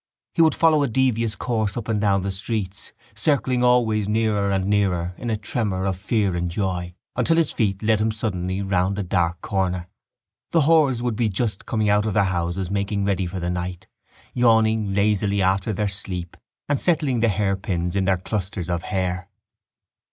He would follow a devious course up and down the streets, circling always nearer and nearer in a tremor of fear and joy, until his feet led him suddenly round a dark corner. The whores would be just coming out of their houses making ready for the night, yawning lazily after their sleep and settling the hairpins in their clusters of hair.